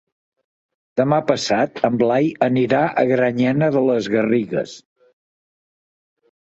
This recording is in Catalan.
Demà passat en Blai anirà a Granyena de les Garrigues.